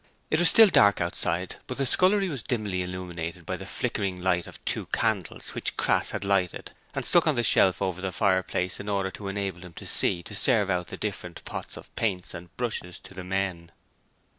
It was still dark outside, but the scullery was dimly illuminated by the flickering light of two candles which Crass had lighted and stuck on the shelf over the fireplace in order to enable him to see to serve out the different lots of paints and brushes to the men.